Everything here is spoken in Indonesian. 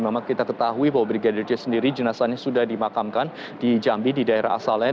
memang kita ketahui bahwa brigadir j sendiri jenazahnya sudah dimakamkan di jambi di daerah asalnya